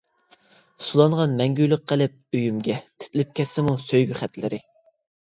سولانغان مەڭگۈلۈك قەلب ئۆيۈمگە، تىتىلىپ كەتسىمۇ سۆيگۈ خەتلىرى.